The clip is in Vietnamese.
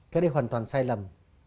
cái đấy hoàn toàn sai lầm